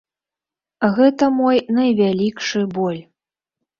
Гэта мой найвялікшы боль.